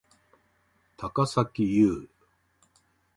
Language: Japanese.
高咲侑